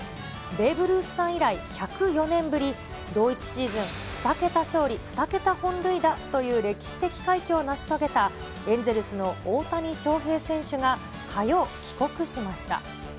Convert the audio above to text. ベーブ・ルースさん以来１０４年ぶり、同一シーズン２桁勝利、２桁本塁打という歴史的快挙を成し遂げた、エンゼルスの大谷翔平選手が火曜、帰国しました。